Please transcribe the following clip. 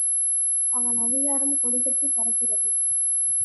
அவன் அதிகாரம் கொடிகட்டிப் பறக்கிறது.